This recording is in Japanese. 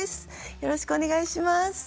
よろしくお願いします。